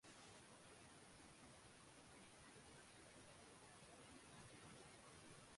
里登阿姆福尔根塞是德国巴伐利亚州的一个市镇。